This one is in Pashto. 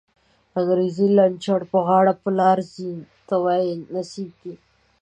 انگریزی لنچر په غاړه، په لار ځی ته وایی نڅیږی